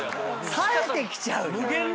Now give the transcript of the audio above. さえてきちゃうじゃん。